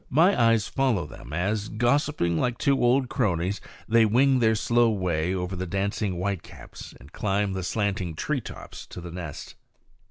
My eyes follow them as, gossiping like two old cronies, they wing their slow way over the dancing whitecaps and climb the slanting tree tops to the nest.